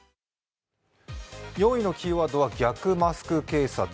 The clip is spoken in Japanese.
９位のキーワードは逆マスク警察。